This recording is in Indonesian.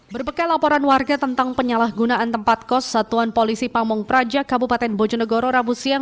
berbekal laporan warga tentang penyalahgunaan tempat kos satuan polisi pamung praja kabupaten bojonegoro rabu siang